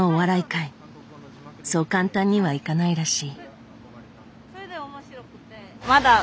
そう簡単にはいかないらしい。